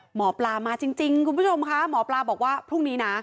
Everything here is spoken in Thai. หมอปลามาจริงคุณผู้ชมค่ะหมอปลาบอกว่าพรุ่งนี้นะ